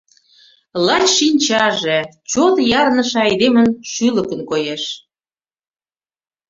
Лач шинчаже — чот ярныше айдемын, шӱлыкын коеш.